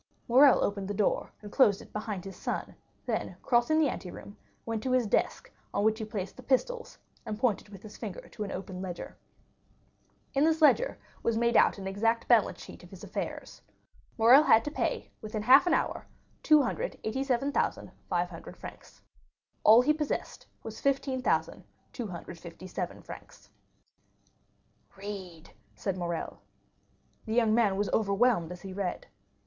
Morrel opened the door, and closed it behind his son; then, crossing the anteroom, went to his desk on which he placed the pistols, and pointed with his finger to an open ledger. In this ledger was made out an exact balance sheet of his affairs. Morrel had to pay, within half an hour, 287,500 francs. All he possessed was 15,257 francs. "Read!" said Morrel. The young man was overwhelmed as he read.